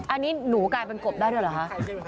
อันนี้หนูกลายเป็นกบได้ด้วยเหรอคะ